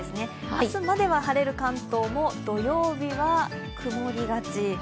明日までは晴れる関東も土曜日は曇りがち。